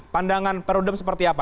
pandangan pak rudem seperti apa